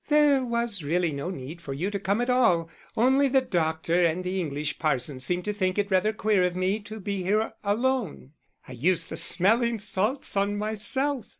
There was really no need for you to come at all, only the doctor and the English parson seemed to think it rather queer of me to be here alone.' I used the smelling salts myself!